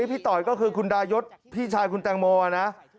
ต่อยก็คือคุณดายศพี่ชายคุณแตงโมนะ